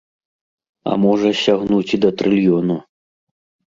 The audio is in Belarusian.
А можа сягнуць і да трыльёну.